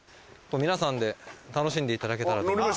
皆さんで楽しんでいただけたらと。